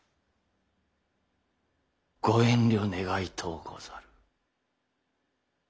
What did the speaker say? ご遠慮願いとうござる。